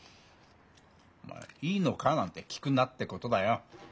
おい「いいのか？」なんて聞くなってことだよ。